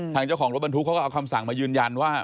เจ้าของรถบรรทุกเขาก็เอาคำสั่งมายืนยันว่า